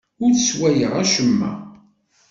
Ur sswayeɣ acemma.